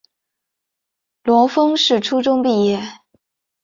罗烽是初中毕业。